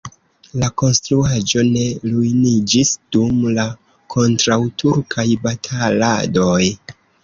La konstruaĵo ne ruiniĝis dum la kontraŭturkaj bataladoj.